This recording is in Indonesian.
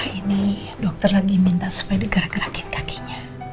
ini dokter lagi minta supaya digerakin kakinya